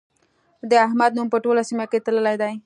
د احمد نوم په ټوله سيمه کې تللی دی.